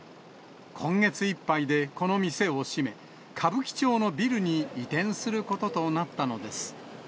今月いっぱいでこの店を閉め、歌舞伎町のビルに移転することとなったのです。